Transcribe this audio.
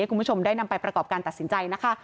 คุณผู้ชมได้นำไปประกอบการตัดสินใจนะคะ